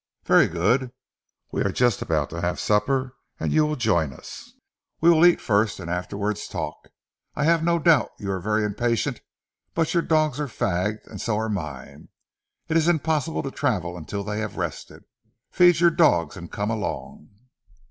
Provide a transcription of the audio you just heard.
Very good! We are just about to have supper and you will join us. We will eat first, and afterwards talk. I have no doubt you are very impatient, but your dogs are fagged and so are mine. It is impossible to travel until they have rested. Feed your dogs and come along."